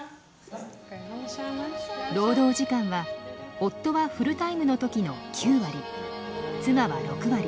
労働時間は夫はフルタイムの時の９割妻は６割。